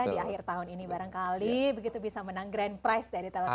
di akhir tahun ini barangkali begitu bisa menang grand prize dari telkomsel